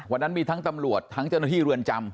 วันนั้นมีทั้งตำรวจทั้งเจ้าหน้าที่เรือนจำ